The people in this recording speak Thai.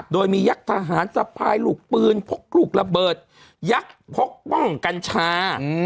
โดยมียักษ์ทหารสะพายลูกปืนพกลูกระเบิดยักษ์พกป้องกัญชา